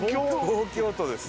東京都です。